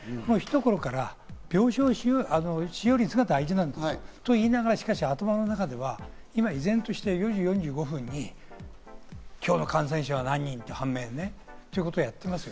ひと頃から病床使用率が大事なんだといいながら、しかし頭の中では、今、依然として４時４５分に今日の感染者は何人ということをやってます。